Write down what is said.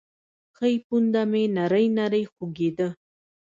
ښۍ پونده مې نرۍ نرۍ خوږېده.